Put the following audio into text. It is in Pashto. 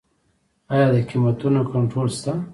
آیا د قیمتونو کنټرول شته؟